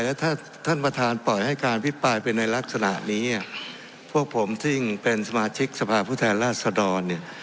แล้วถ้าท่านประธานปล่อยให้การพิปรายไปในลักษณะนี้พวกผมซึ่งเป็นสมาชิกสภาพผู้แทนราชดรเนี่ย